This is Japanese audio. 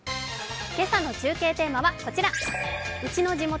今朝の中継テーマはこちら。